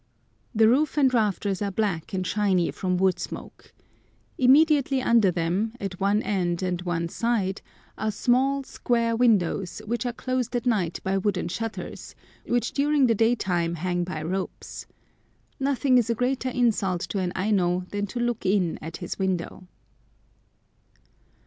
The roof and rafters are black and shiny from wood smoke. Immediately under them, at one end and one side, are small, square windows, which are closed at night by wooden shutters, which during the day time hang by ropes. Nothing is a greater insult to an Aino than to look in at his window.